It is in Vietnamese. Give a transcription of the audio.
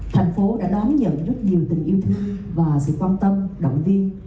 thành phố đã đón nhận rất nhiều tình yêu thương và sự quan tâm động viên